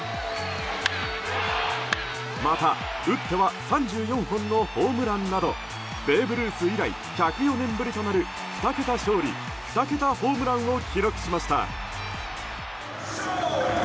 また打っては３４本のホームランなどベーブ・ルース以来１０４年ぶりとなる２桁勝利２桁ホームランを記録しました。